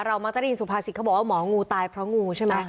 มักจะได้ยินสุภาษิตเขาบอกว่าหมองูตายเพราะงูใช่ไหม